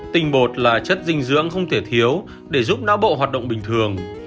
tinh bột là chất dinh dưỡng không thể thiếu để giúp não bộ hoạt động bình thường